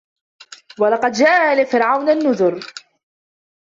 وَلَقَد جاءَ آلَ فِرعَونَ النُّذُرُ